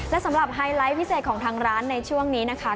และสำหรับไฮไลท์พิเศษของทางร้านในช่วงนี้นะคะ